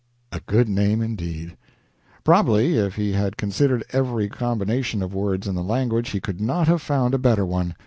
A good name, indeed! Probably, if he had considered every combination of words in the language, he could not have found a better one.